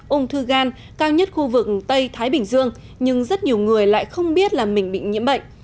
ung thư gan cao nhất khu vực tây thái bình dương nhưng rất nhiều người lại không biết là mình bị nhiễm bệnh